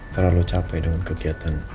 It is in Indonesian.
terlalu capek dengan kegiatan